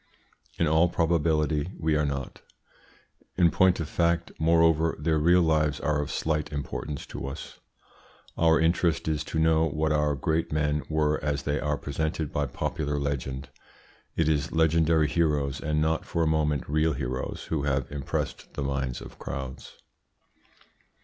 In all probability we are not. In point of fact, moreover, their real lives are of slight importance to us. Our interest is to know what our great men were as they are presented by popular legend. It is legendary heroes, and not for a moment real heroes, who have impressed the minds of crowds.